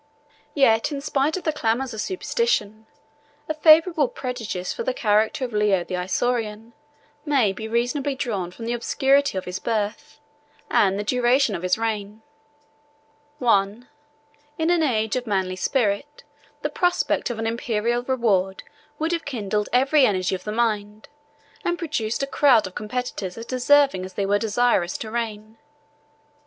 Yet in spite of the clamors of superstition, a favorable prejudice for the character of Leo the Isaurian may be reasonably drawn from the obscurity of his birth, and the duration of his reign.—I. In an age of manly spirit, the prospect of an Imperial reward would have kindled every energy of the mind, and produced a crowd of competitors as deserving as they were desirous to reign.